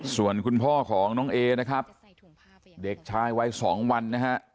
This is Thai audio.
ส่วนคุณพ่อของน้องเอนะครับเด็กชายวัย๒วันนะฮะ